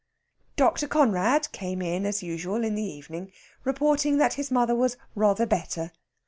Dr. Conrad came in as usual in the evening, reporting that his mother was "rather better."